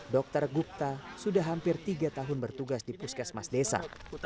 dr gupta sudah hampir tiga tahun bertugas di puskesmas desa